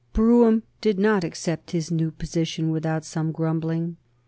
Brougham did not accept his new position without some grumbling.